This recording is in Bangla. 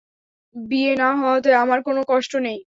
বিয়ে না হওয়াতে আমার কোনো কষ্ট নেই।